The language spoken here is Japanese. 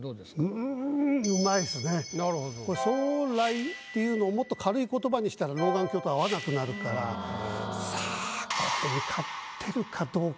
うんこれ「爽籟」っていうのをもっと軽い言葉にしたら「老眼鏡」と合わなくなるからさあなるほどね。